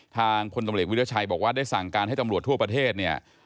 ทางพลตำรวจวิทยาชัยบอกว่าได้สั่งการให้ตำรวจทั่วประเทศเนี่ย